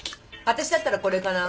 私だったらこれかな。